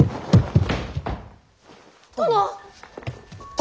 殿！